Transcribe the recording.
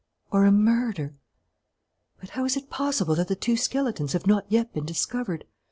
Or a murder? But how is it possible that the two skeletons have not yet been discovered?